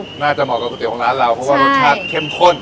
น่าจะเหมาะกับก๋วของร้านเราเพราะว่ารสชาติเข้มข้น